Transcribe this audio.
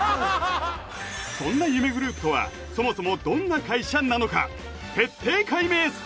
そんな夢グループはそもそもどんな会社なのか？